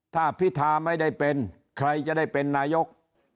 ถ้าพิธาไม่ได้เป็นใครจะได้เป็นนายก